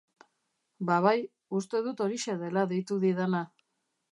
Ba bai, uste dut horixe dela deitu didana.